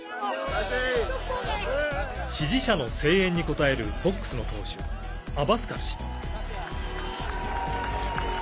支持者の声援に応えるボックスの党首、アバスカル氏。